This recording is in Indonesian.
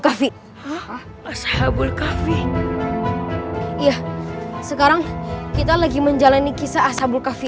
kafi ashabul kafe iya sekarang kita lagi menjalani kisah ashabul kafi